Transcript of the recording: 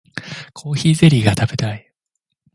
コーヒーゼリーが食べたい